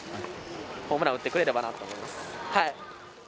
ホームラン打ってくれればなと思います。